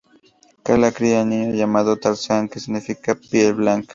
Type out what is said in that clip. Kala cría al niño, llamándolo Tarzán que significa 'piel blanca'.